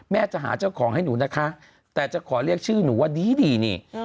จะหาเจ้าของให้หนูนะคะแต่จะขอเรียกชื่อหนูว่าดีนี่